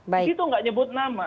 di situ nggak nyebut nama